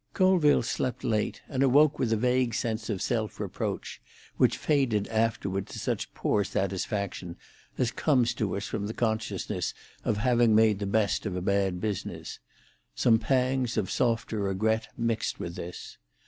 Colville slept late, and awoke with a vague sense of self reproach, which faded afterward to such poor satisfaction as comes to us from the consciousness of having made the best of a bad business; some pangs of softer regret mixed with this.